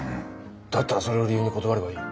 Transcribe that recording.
だったらそれを理由に断ればいい。